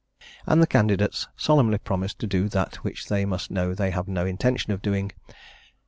And the candidates solemnly promise to do that which they must know they have no intention of doing.